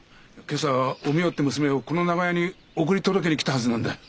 今朝お美代って娘をこの長屋に送り届けに来たはずなんだよ。